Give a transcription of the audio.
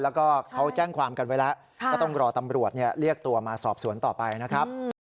แล้วก็เขาแจ้งความกันไว้แล้วก็ต้องรอตำรวจเรียกตัวมาสอบสวนต่อไปนะครับ